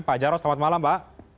pak jarod selamat malam pak